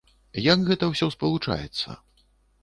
Як гэта ўсё спалучаецца?